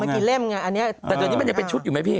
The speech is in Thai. อ๋อเมื่อกี้เล่มไงอันเนี้ยแต่ตอนนี้มันยังเป็นชุดอยู่ไหมพี่